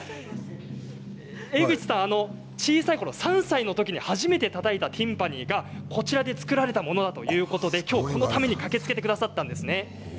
江口さん、小さいころ３歳のときに初めてたたいたティンパニーがこちらで作られたものだということできょう、このために駆けつけてくださったんです。